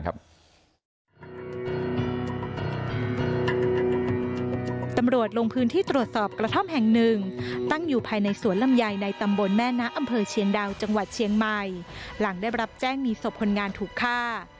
ตำรวจลงพื้นที่ตรวจสอบกระท่อมแห่งหนึ่งตั้งอยู่ภายในสวนลำไยในตำบลแม่นะอำเภอเชียงดาวจังหวัดเชียงใหม่หลังได้รับแจ้งมีศพคนงานถูกฆ่า